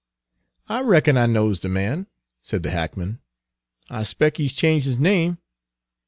"I reckon I knows de man," said the hackman. "I 'spec' he 's changed his name.